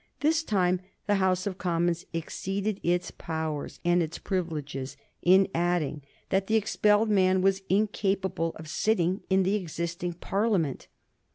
This time the House of Commons exceeded its powers and its privileges in adding that the expelled man was incapable of sitting in the existing Parliament.